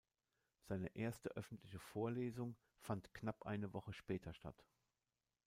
Seine erste öffentliche Vorlesung fand knapp eine Woche später statt.